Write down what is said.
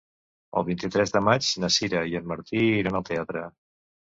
El vint-i-tres de maig na Sira i en Martí iran al teatre.